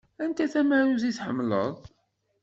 Anta tamarut i tḥemmleḍ?